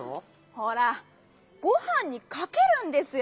ほらごはんにかけるんですよ！